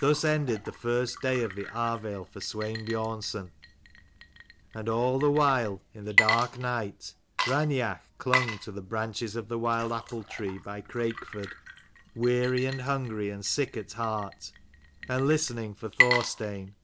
Thus ended the first day of the Arvale for Swein Biornson. And all the while, in the dark night, Raineach clung to the branches of the wild apple tree by Crakeford, weary and hungry and sick at heart, and listening for 156 Thorstein.